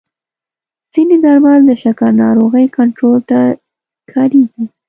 ځینې درمل د شکر ناروغۍ کنټرول ته کارېږي.